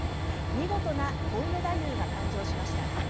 見事なコウメ太夫が誕生しました。